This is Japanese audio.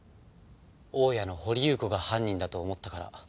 大家の掘祐子が犯人だと思ったから。